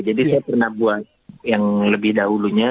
saya pernah buat yang lebih dahulunya